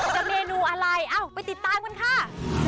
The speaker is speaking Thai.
จะเมนูอะไรไปติดตามกันค่ะ